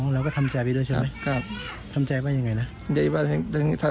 อ๋อแล้วก็ทำใจไปด้วยใช่ไหมทำใจไปยังไงนะ